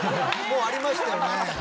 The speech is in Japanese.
もうありましたよね？